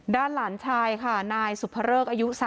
หลานชายค่ะนายสุภเริกอายุ๓๐